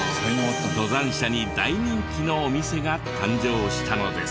登山者に大人気のお店が誕生したのです。